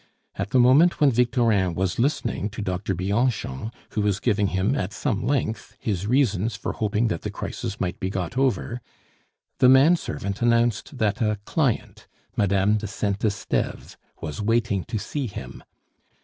At the moment when Victorin was listening to Doctor Bianchon, who was giving him, at some length, his reasons for hoping that the crisis might be got over, the man servant announced that a client, Madame de Saint Esteve, was waiting to see him.